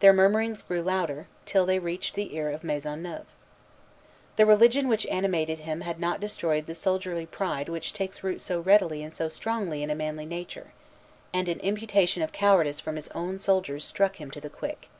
Their murmurings grew louder, till they reached the ear of Maisonneuve. The religion which animated him had not destroyed the soldierly pride which takes root so readily and so strongly in a manly nature; and an imputation of cowardice from his own soldiers stung him to the quick.